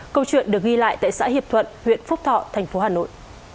câu chuyện được ghi lại tại xã hiệp thuận huyện phúc thọ tp hcm